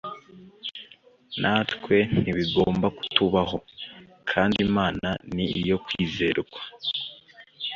Natwe ntibigomba kutubaho. “Kandi Imana ni iyo kwizerwa